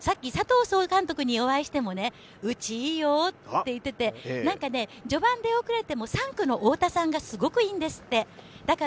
さっき佐藤総監督にお会いしてもうち、いいよって言ってて、序盤に出遅れても３区の太田さんがすごくいいんですって。